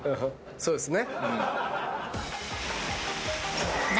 そうですね。